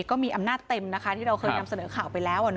ก็มีอำนาจเต็มนะคะที่เราเคยนำเสนอข่าวไปแล้ว